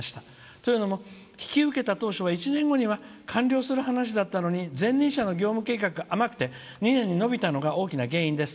というのも、引き受けた当初は１年後には完了する話だったのですが前任者の業務計画が甘くて２年に延びたのが大きな失敗です。